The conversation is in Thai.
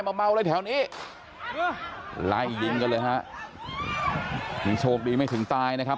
เมาเลยแถวนี้ไล่ยิงกันเลยฮะนี่โชคดีไม่ถึงตายนะครับ